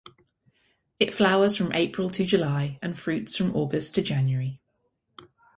It flowers from April to July and fruits from August to January.